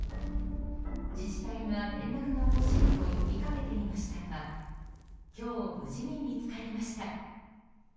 自治体が連絡が欲しいと呼びかけていましたが今日、無事に見つかりました。